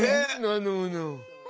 なるほど。